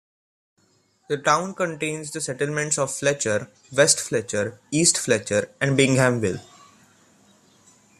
The town contains the settlements of Fletcher, West Fletcher, East Fletcher, and Binghamville.